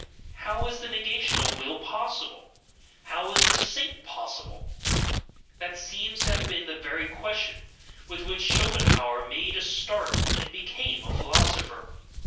How is the negation of will POSSIBLE? how is the saint possible? that seems to have been the very question with which Schopenhauer made a start and became a philosopher.